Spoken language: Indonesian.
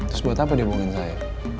terus buat apa dia hubungin saya